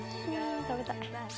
食べたい。